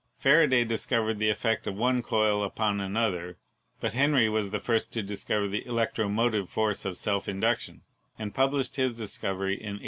Faraday dis covered the effect of one coil upon another, but Henry was the first to discover the electromotive force of self induction, and published his discovery in 1832.